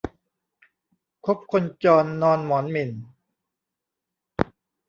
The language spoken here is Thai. คบคนจรนอนหมอนหมิ่น